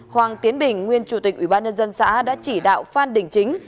hoàng tiến bình nguyên chủ tịch ubnd xã đã chỉ đạo phan đình chính